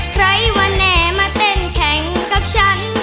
ใครวันแน่มาเต้นแข่งกับฉัน